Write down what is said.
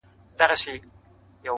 پر سر یې راوړل کشمیري د خیال شالونه؛